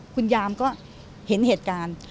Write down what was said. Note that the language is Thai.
คุณยามก็เห็นเหตุการณ์